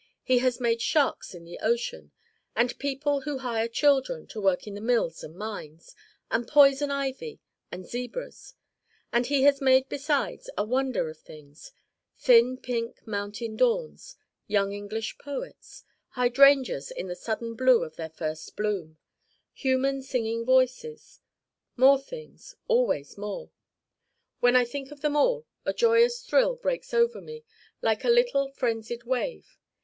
He has made sharks in the ocean, and people who hire children to work in their mills and mines, and poison ivy and zebras and he has made besides a Wonder of things: Thin Pink Mountain Dawns, Young English Poets, Hydrangeas in the sudden Blue of their first Bloom, human Singing Voices, more things, always more When I think of them all a joyous thrill breaks over me like a little frenzied wave.